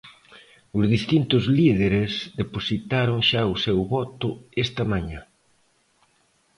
Os distintos líderes depositaron xa o seu voto esta mañá.